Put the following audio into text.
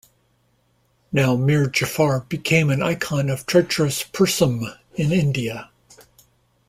Now Mir Jafar become an icon of treacherous persom in India.